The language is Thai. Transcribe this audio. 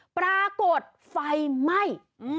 ปรากฏไฟไหม้